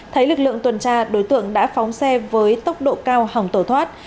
thấy lực lượng tuần tra đối tượng đã phóng xe với tốc độ cao hỏng tổ thoát